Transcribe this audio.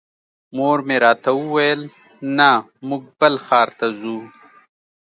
مور مې راته وویل نه موږ بل ښار ته ځو.